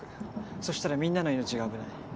そしたらみんなの命が危ない